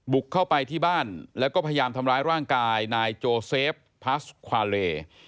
เข้าไปที่บ้านแล้วก็พยายามทำร้ายร่างกายนายโจเซฟพาสควาเล